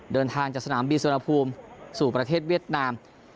เดินทางจากสนามบินสุวรรณภูมิสู่ประเทศเวียดนาม